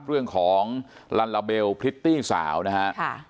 เรื่องของลันราเบลก็ผลิตตี้สาวนะครับ